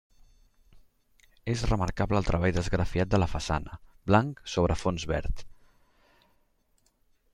És remarcable el treball d'esgrafiat de la façana, blanc sobre fons verd.